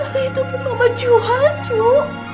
tapi itu pun mama jual ju